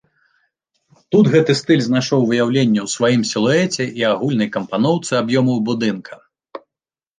Тут гэты стыль знайшоў выяўленне ў сваім сілуэце і агульнай кампаноўцы аб'ёмаў будынка.